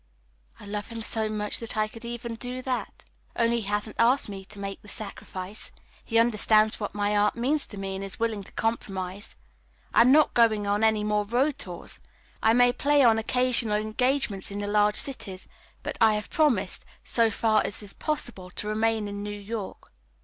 "I love him so much that I could do even that. Only he hasn't asked me to make the sacrifice. He understands what my art means to me, and is willing to compromise. I am not going on any more road tours. I may play an occasional engagement in the large cities, but I have promised, so far as is possible, to remain in New York."